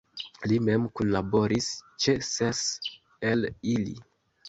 Li mem kunlaboris ĉe ses el ili.